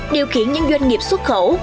điều khiển những doanh nghiệp xuất khẩu